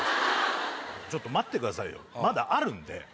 ちょっと待ってくださいよまだあるんで。